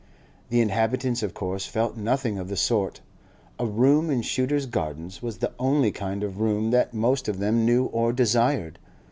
The inhabitants of course felt nothing of the sort; a room in Shooter's Gardens was the only kind of home that most of them knew or desired.